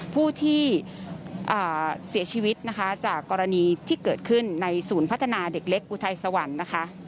ผู้ที่เสียชีวิตนะคะจากกรณีที่เกิดขึ้นในศูนย์พัฒนาเด็กเล็กอุทัยสวรรค์นะคะ